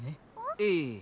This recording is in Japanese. ええ。